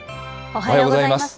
おはようございます。